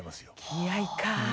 気合いか。